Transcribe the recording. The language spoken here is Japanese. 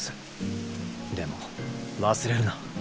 でも忘れるな。